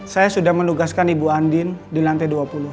saya sudah menugaskan ibu andin di lantai dua puluh